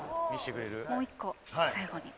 もう１個最後に。